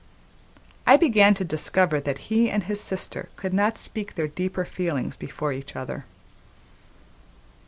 I began to discover that he and his sister could not speak their deeper feelings before each other.